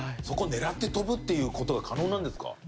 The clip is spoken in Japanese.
そこを狙って飛ぶっていう事が可能なんですか？